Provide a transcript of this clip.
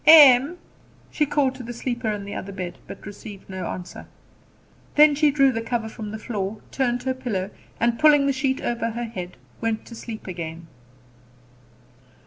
"Em!" she called to the sleeper in the other bed; but received no answer. Then she drew the cover from the floor, turned her pillow, and pulling the sheet over her head, went to sleep again.